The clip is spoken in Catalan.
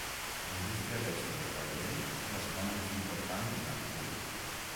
La indústria tèxtil de Huaibei és la segona més important d'Anhui.